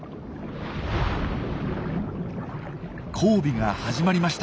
交尾が始まりました。